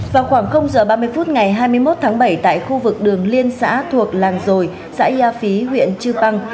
vào khoảng h ba mươi phút ngày hai mươi một tháng bảy tại khu vực đường liên xã thuộc làng rồi xã yafí huyện chư băng